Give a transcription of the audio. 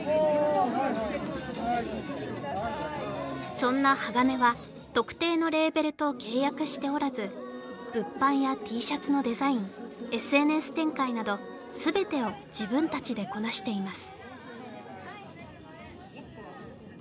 そんなＨＡＧＡＮＥは特定のレーベルと契約しておらず物販やＴシャツのデザインＳＮＳ展開などこなしています